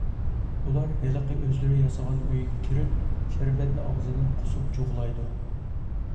ئۇلار ھېلىقى ئۆزلىرى ياسىغان ئۆيىگە كىرىپ، شەربەتنى ئاغزىدىن قۇسۇپ جۇغلايدۇ.